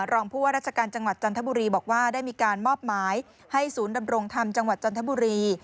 รองผู้ว่าราชการจังหวัดจันทบุรีบอกว่าได้มีการมอบหมายให้ศูนย์ดำรงธรรมจังหวัดจันทบุรี